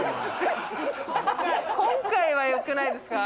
今回はよくないですか？